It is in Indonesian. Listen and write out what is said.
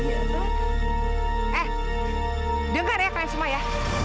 eh dengar ya keren semua ya